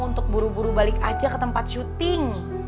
untuk buru buru balik aja ke tempat syuting